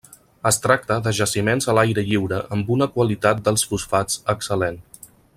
Es tracta de jaciments a l'aire lliure amb una qualitat dels fosfats excel·lent.